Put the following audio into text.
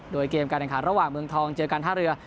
โดยเกมการแข่งขันระหว่างเมืองทองเจอการท่าเรือ